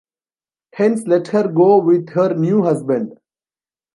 Hence let her go with her new husband.